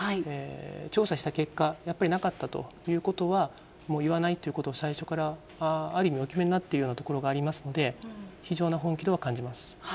調査した結果、やっぱりなかったということは、もう言わないということを最初からある意味、お決めになっているところがありますので、非常な本気度は感じま